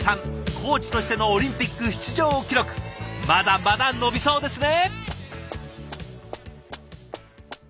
コーチとしてのオリンピック出場記録まだまだ伸びそうですね。